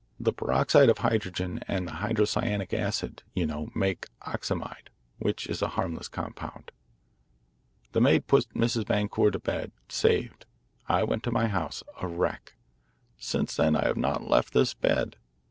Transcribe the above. The peroxide of hydrogen and hydrocyanic acid, you know, make oxamide, which is a harmless compound. "The maid put Mrs. Boncour to bed, saved. I went to my house, a wreck. Since then I have not left this bed.